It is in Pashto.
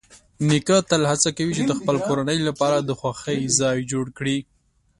نیکه تل هڅه کوي چې د خپل کورنۍ لپاره د خوښۍ ځای جوړ کړي.